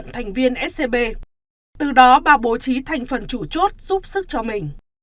từ đó bà bố trí thành phần chủ chốt giúp sức cho mình